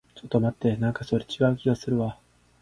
ちょっと待って。なんかそれ、違う気がするわ。